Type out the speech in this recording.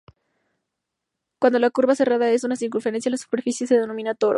Cuando la curva cerrada es una circunferencia, la superficie se denomina toro.